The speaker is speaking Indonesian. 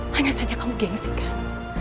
hanya saja kamu gengsi kan